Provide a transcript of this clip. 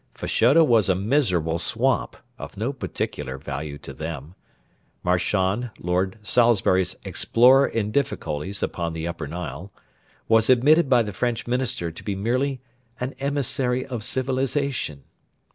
Fashoda was a miserable swamp, of no particular value to them. Marchand, Lord Salisbury's 'explorer in difficulties upon the Upper Nile,' was admitted by the French Minister to be merely an 'emissary of civilisation.'